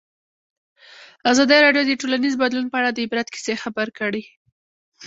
ازادي راډیو د ټولنیز بدلون په اړه د عبرت کیسې خبر کړي.